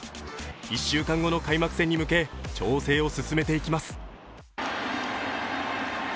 １週間後の開幕戦に向け調整を進めていきます。